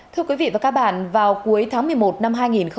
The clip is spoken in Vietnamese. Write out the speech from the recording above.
thưa quý vị và các bạn vào cuối tháng một mươi một năm hai nghìn một mươi chín